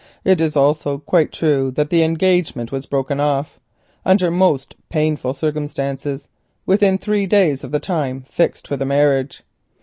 It is also quite true that that engagement was broken off, under most painful circumstances, within three days of the time fixed for the marriage.